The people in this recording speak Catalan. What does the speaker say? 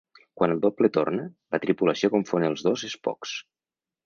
Quan el doble torna, la tripulació confon els dos Spocks.